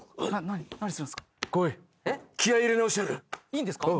いいんですか？